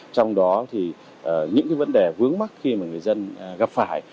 trong đó thì những cái vấn đề vướng mắt khi mà người dân gặp phải